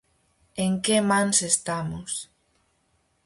En que mans estamos...